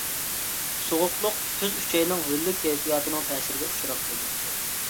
سوغۇقلۇق، تۈز ئۈچەينىڭ ھۆللۈك كەيپىياتىنىڭ تەسىرىگە ئۇچراپ تۇرىدۇ.